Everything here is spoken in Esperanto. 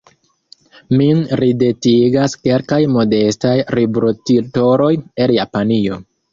Min ridetigas kelkaj modestaj librotitoloj el Japanio.